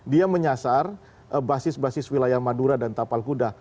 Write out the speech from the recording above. dia menyasar basis basis wilayah madura dan tapal kuda